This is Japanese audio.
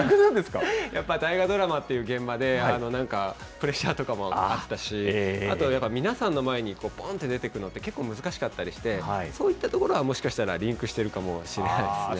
やっぱ大河ドラマっていう現場で、なんか、プレッシャーとかもあったし、あと、皆さんの前にぽんって出てくるのって、結構難しかったりして、そういったところは、もしかしたらリンクしてるかもしれないですね。